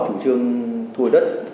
chủ trương thu hồi đất